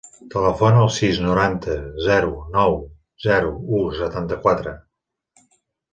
Telefona al sis, noranta, zero, nou, zero, u, setanta-quatre.